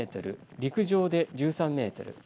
陸上で１３メートル